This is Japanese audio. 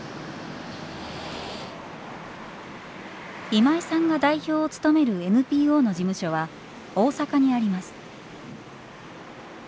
今井さんが代表を務めるＮＰＯの事務所は大阪にあります。